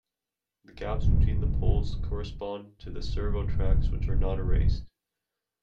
The gaps between the poles correspond to the servo tracks, which are not erased.